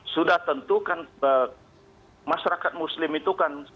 sudah tentu kan masyarakat muslim itu kan